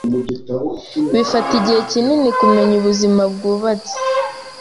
Bifata igihe kinini kumenyera ubuzima bwubatse.